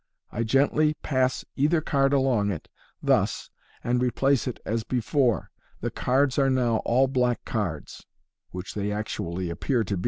I gently pass either card along it, thus, and replace it as before. The cards are jow all black cards," which they actually Fig. 38. Fig.